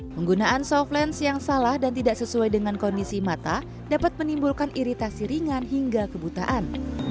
penggunaan softlens yang salah dan tidak sesuai dengan kondisi mata dapat menimbulkan iritasi ringan hingga kebutaan